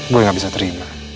gue gak bisa terima